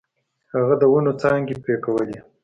هغه د ونو څانګې پرې کولې.